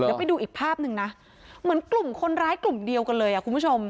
เดี๋ยวไปดูอีกภาพหนึ่งนะเหมือนกลุ่มคนร้ายกลุ่มเดียวกันเลยอ่ะคุณผู้ชม